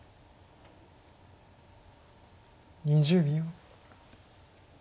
２０秒。